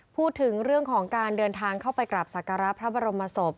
พูดถึงเรื่องของการเดินทางเข้าไปกราบสักการะพระบรมศพ